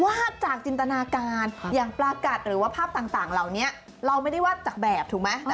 จากจินตนาการอย่างปลากัดหรือว่าภาพต่างเหล่านี้เราไม่ได้วาดจากแบบถูกไหม